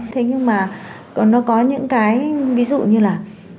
thế nhưng mà nó có những cái ví dụ như là